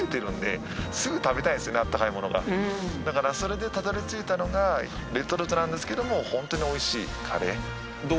だからそれでたどりついたのがレトルトなんですけどもほんとにおいしいカレー。